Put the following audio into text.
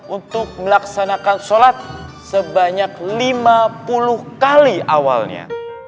untuk melaksanakan sholat sebanyak lima puluh kali awalnya